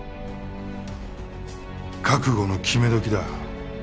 覚悟の決め時だ。